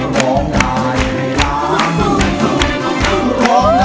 ได้ครับ